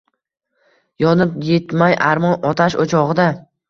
Yonib-yitmay armon otash oʼchogʼida